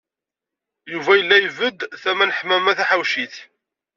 Yuba yella ibedd tama n Ḥemmama Taḥawcint.